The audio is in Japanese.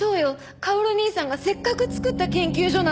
薫兄さんがせっかく作った研究所なのに。